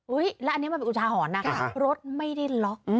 อุ๊ยแล้วอันนี้มันไปกุฏรหอนรถไม่ได้ล็อค